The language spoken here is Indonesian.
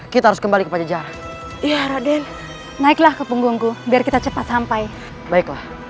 kita harus kembali ke pajajara iya raden naiklah ke punggungku biar kita cepat sampai baiklah